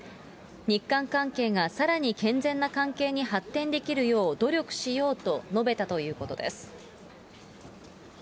日韓関係がさらに健全な関係に発展できるよう努力しようと述べたということです。